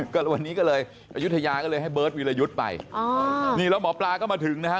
ก็วันนี้ก็เลยอายุทยาก็เลยให้เบิร์ตวิรยุทธ์ไปอ๋อนี่แล้วหมอปลาก็มาถึงนะฮะ